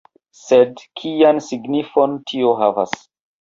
Sed kian signifon tio havas?